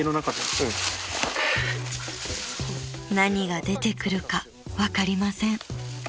［何が出てくるか分かりません］